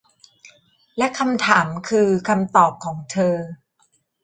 และคำถามคือคำตอบของเธอ